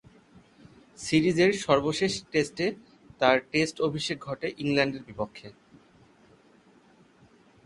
সিরিজের সর্বশেষ টেস্টে তার টেস্ট অভিষেক ঘটে ইংল্যান্ডের বিপক্ষে।